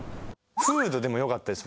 フードでも良かったです